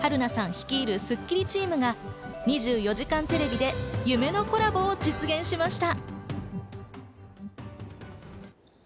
率いるスッキリチームが『２４時間テレビ』で夢のコラボを実現しました。